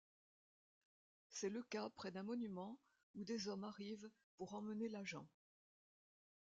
C'est le cas près d'un monument où des hommes arrivent pour emmener l'agent.